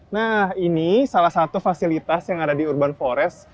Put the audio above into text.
nah ini salah satu fasilitas yang ada di urban forest